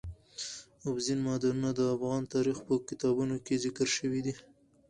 اوبزین معدنونه د افغان تاریخ په کتابونو کې ذکر شوی دي.